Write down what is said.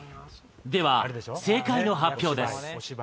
では正解の発表です。